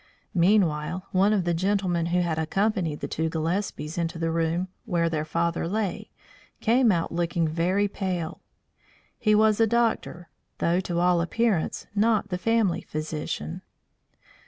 Meanwhile one of the gentlemen who had accompanied the two Gillespies into the room where their father lay, came out looking very pale. He was a doctor, though to all appearance not the family physician.